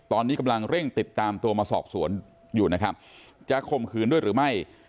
ตอนนี้กำลังเร่งติดตามตัวมาสอบสวนอยู่นะครับจะข่มขืนด้วยหรือไม่